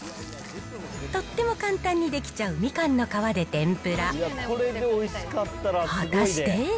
とっても簡単にできちゃう、みかんの皮で天ぷら。